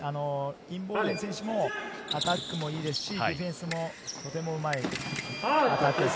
インボーデン選手もアタックもいいですし、ディフェンスもとてもうまいです。